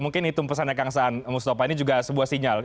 mungkin itu pesannya kang saan mustafa ini juga sebuah sinyal